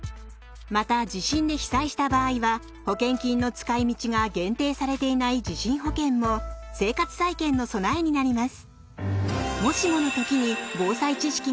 また地震で被災した場合は保険金の使い道が限定されていない地震保険も生活再建の備えになります。